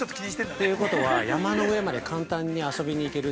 ということは、山の上まで簡単に遊びに行ける。